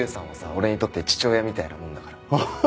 俺にとって父親みたいなもんだから。